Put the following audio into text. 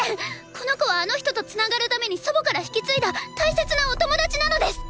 この子はあの人と繋がるために祖母から引き継いだ大切なお友達なのです！